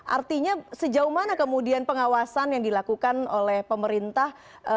artinya sejauh mana kemudian pengawasan yang dilakukan oleh pemerintah